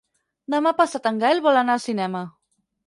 Demà passat en Gaël vol anar al cinema.